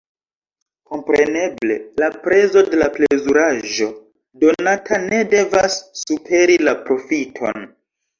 Kompreneble, la prezo de la plezuraĵo donota ne devas superi la profiton.